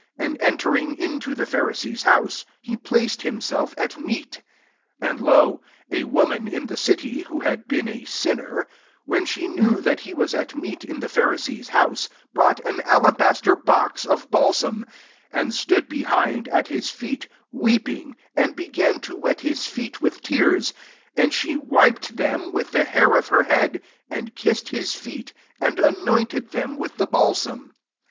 And entering into the Pharisee's house, he placed himself at meat. 37 And, lo, a woman in the city, who had been a sinner, when she knew that he was at meat in the Pharisee's house, brought an alabaster box of bal sam, 38 and stood behind, at his feet, weeping, and began to wet his feet with tears ; and she wiped them with the hair of her head, and kissed his feet, and anointed them with the balsam.